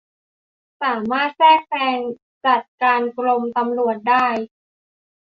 สามารถแทรกแซงจัดการกรมตำรวจได้